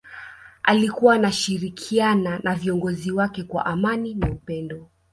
alikuwa anashirikiana na viongozi wake kwa amani na upendo